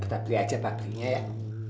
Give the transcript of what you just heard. kita beli aja pabriknya ya